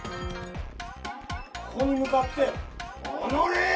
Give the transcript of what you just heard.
ここに向かって、おのれー！